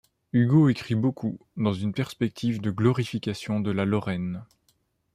Hugo écrit beaucoup, dans une perspective de glorification de la Lorraine.